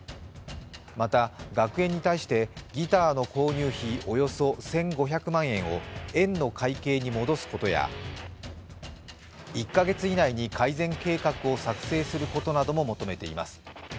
また、学園に対してギターの購入費およそ１５００万円を園の会計に戻すことや、１か月以内に改善計画を作成することなども求めています。